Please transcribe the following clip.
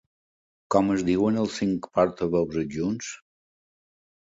Com es diuen els cinc portaveus adjunts?